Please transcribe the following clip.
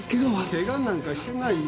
ケガなんかしてないよ。